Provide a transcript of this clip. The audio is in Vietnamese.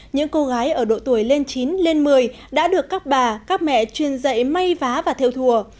những cô gái ở độ tuổi lên chín lên một mươi đã được các bà các mẹ chuyên dạy may vá và theo thùa